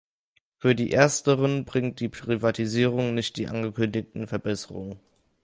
Für die ersteren bringt die Privatisierung nicht die angekündigten Verbesserungen.